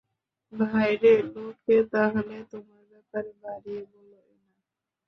ভাইরে, লোকে তাহলে তোমার ব্যাপারে বাড়িয়ে বলে না।